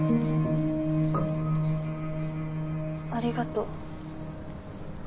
ありがと。